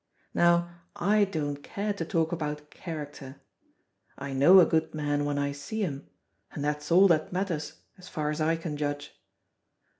Now I don't care to talk about character. I know a good man when I see him, and that's all that matters as far as I can judge.